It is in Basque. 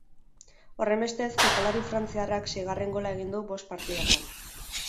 Horrenbestez, jokalari frantziarrak seigarren gola egin du bost partidatan.